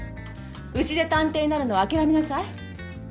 うちで探偵になるのは諦めなさい。